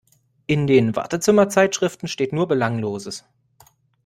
In den Wartezimmer-Zeitschriften steht nur Belangloses.